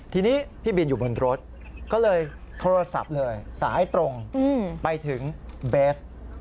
ทีนี้พี่บินอยู่บนรถก็เลยโทรศัพท์เลยสายตรงไปถึงเบส